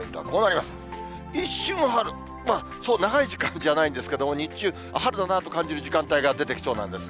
まあ、そう、長い時間じゃないんですけど、日中、春だなと感じる時間帯が出てきそうなんですね。